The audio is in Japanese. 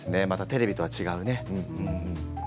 テレビとは違うね。